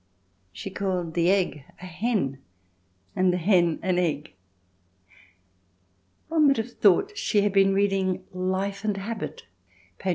She called the egg a hen and the hen an egg. One would have thought she had been reading Life and Habit [p.